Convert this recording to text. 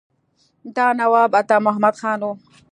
دا نواب عطا محمد خان وو.